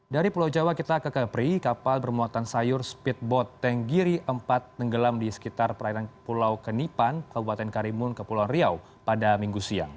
dari pulau jawa kita ke kepri kapal bermuatan sayur speedboat tenggiri empat tenggelam di sekitar perairan pulau kenipan kabupaten karimun kepulauan riau pada minggu siang